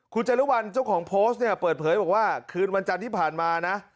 คุณจรุวัลเจ้าของโพสต์เนี่ยเปิดเผยบอกว่าคืนวันจันทร์ที่ผ่านมานะ